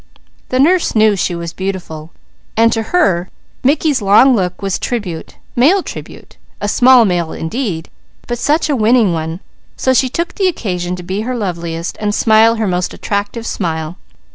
The nurse knew she was beautiful, and to her Mickey's long look was tribute, male tribute; a small male indeed, but such a winning one; so she took the occasion to be her loveliest, and smile her most attractive smile.